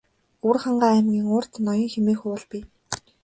Өвөрхангай аймгийн урд Ноён хэмээх уул бий.